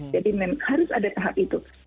memang harus ada tahap itu